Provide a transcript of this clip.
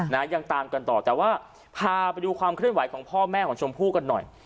ยังตามกันต่อแต่ว่าพาไปดูความเคลื่อนไหวของพ่อแม่ของชมพู่กันหน่อย